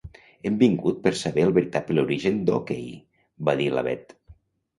Hem vingut per saber el veritable origen d'OK —va dir la Bet.